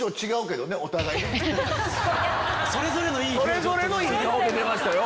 それぞれのいい顔出てましたよ。